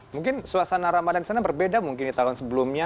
mungkin suasana ramadan disana berbeda mungkin di tahun sebelumnya